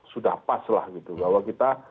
sudah pas lah gitu bahwa kita